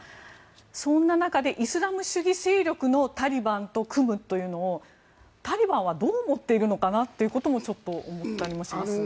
そんな中でイスラム主義勢力のタリバンと組むというのをタリバンはどう思っているのかなというのもちょっと思ったりもします。